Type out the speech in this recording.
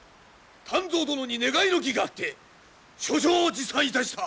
湛増殿に願いの儀があって書状を持参いたした。